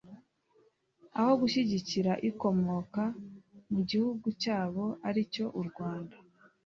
aho gushyigikira ikomoka mu gihugu cyabo aricyo u Rwanda